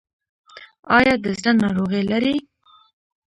ایا د زړه ناروغي لرئ؟